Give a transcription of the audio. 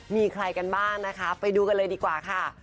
มีใครกันบ้างนะคะไปดูกันเลยดีกว่าค่ะ